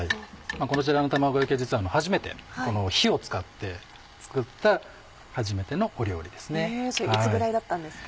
この時代の卵焼き実は初めて火を使って作った初めての料理ですね。